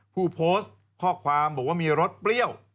ผู้โพสต์ข้อความบอกว่ามีรสเปรี้ยว